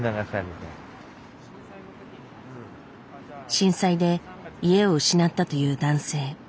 震災で家を失ったという男性。